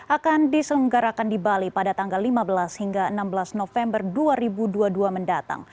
akan diselenggarakan di bali pada tanggal lima belas hingga enam belas november dua ribu dua puluh dua mendatang